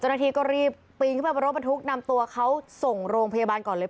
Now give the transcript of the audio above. เจ้าหน้าที่ก็รีบปีนขึ้นไปบนรถบรรทุกนำตัวเขาส่งโรงพยาบาลก่อนเลย